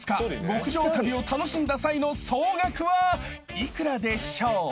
極上旅を楽しんだ際の総額は幾らでしょう？］